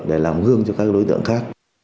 để làm gương cho các đối tượng khác